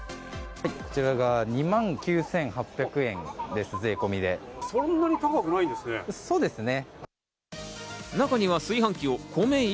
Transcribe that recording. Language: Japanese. こちらが２万９８００円です、そんなに高くないんですね。